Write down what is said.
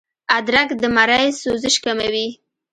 ادرک د مرۍ سوزش کموي